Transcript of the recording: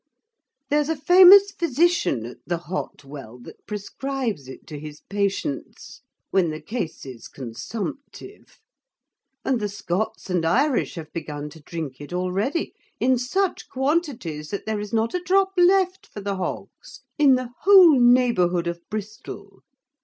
There's a famous physician at the Hot Well, that prescribes it to his patience, when the case is consumptive; and the Scots and Irish have begun to drink it already, in such quantities, that there is not a drop left for the hogs in the whole neighbourhood of Bristol.